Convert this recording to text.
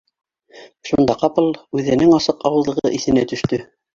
Шунда ҡапыл үҙенең асыҡ ауыҙлығы иҫенә төштө